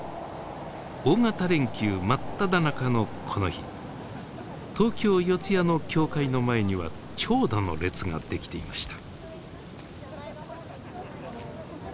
大型連休真っただ中のこの日東京・四谷の教会の前には長蛇の列ができていました。